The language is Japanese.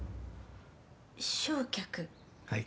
はい。